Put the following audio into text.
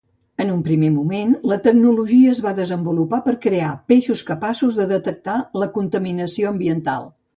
En un primer moment, la tecnologia es va desenvolupar per crear peixos capaços de detectar la contaminació ambiental.